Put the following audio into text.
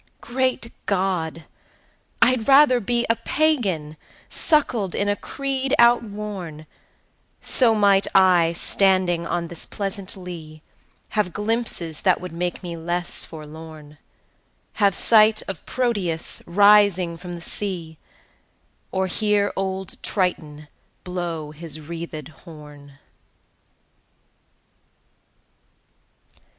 –Great God! I'd rather be A Pagan suckled in a creed outworn; 10 So might I, standing on this pleasant lea, Have glimpses that would make me less forlorn; Have sight of Proteus rising from the sea; Or hear old Triton blow his wreathed horn.